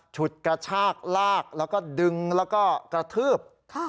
ฉุดกระชากลากแล้วก็ดึงแล้วก็กระทืบ